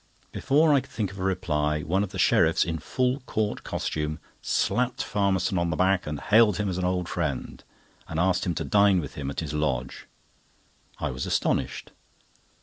Before I could think of a reply, one of the sheriffs, in full Court costume, slapped Farmerson on the back and hailed him as an old friend, and asked him to dine with him at his lodge. I was astonished.